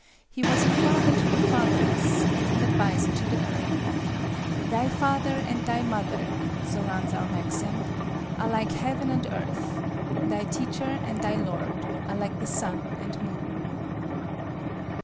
He was a father to the fatherless, and an adviser to the erring. "Thy father and thy mother"—so runs our maxim—"are like heaven and earth; thy teacher and thy lord are like the sun and moon."